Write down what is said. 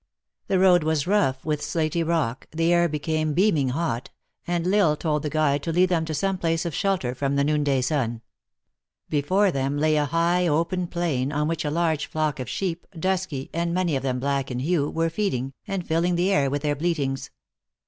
The road was rough with slaty rock, the air became beaming hot, and L Isle told the guide to lead them to some place of shelter from the noon day sun. Before them lay a high open plain, on which a large flock of sheep, dusky, and many of them black in hue, were feeding, and filling the air with their bleatings.